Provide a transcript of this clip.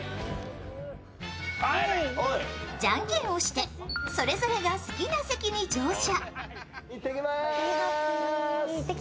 じゃんけんをしてそれぞれが好きな席に乗車。